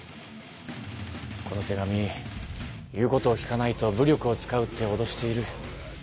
この手紙言うことを聞かないと武力を使うっておどしている。